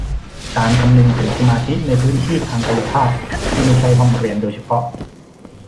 การคำนึงถึงสมาธิในพื้นที่ทางกายภาพที่ไม่ใช่ห้องเรียนโดยเฉพาะ